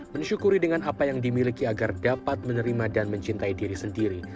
mensyukuri dengan apa yang dimiliki agar dapat menerima dan mencintai diri sendiri